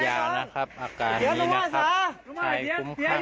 มาท้องดูการวงให้ความรับ